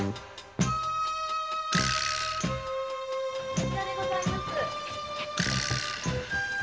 こちらでございます。